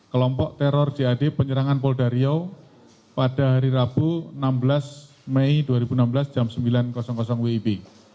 kelompok teror jad penyerangan polda riau pada hari rabu enam belas mei dua ribu enam belas jam sembilan wib